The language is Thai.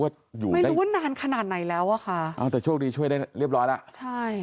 แต่คุณลุง